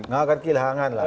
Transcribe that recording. nggak akan kehilangan lah